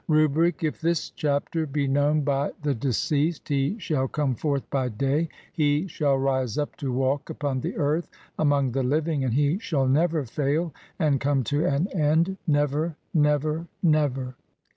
Rubric : if this chapter he known by [the deceased] he shall COME FORTH BY DAY, HE SHALL RISE UP TO WALK UPON THE EARTH AMONG THE LIVING, AND HE SHALL NEVER FAIL AND COME TO AN END, NEVER, NEVER, NEVER.